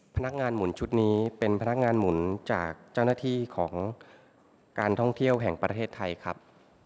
พนักงานหมุนชุดนี้เป็นพนักงานหมุนจากเจ้าหน้าที่ของการท่องเที่ยวแห่งประเทศไทยครับ